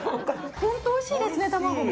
本当においしいですね、卵も。